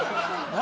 何？